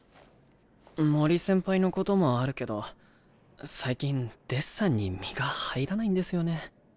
森先輩のこともあるけど最近デッサンに身が入らないんですよね。